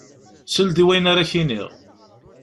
Sel-d i wayen ara k-niɣ.